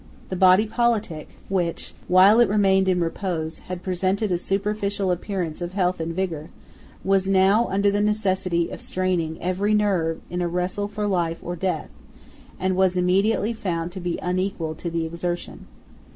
The body politic, which, while it remained in repose, had presented a superficial appearance of health and vigour, was now under the necessity of straining every nerve in a wrestle for life or death, and was immediately found to be unequal to the exertion.